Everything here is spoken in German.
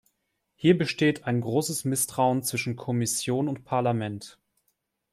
Hier besteht ein großes Misstrauen zwischen Kommission und Parlament.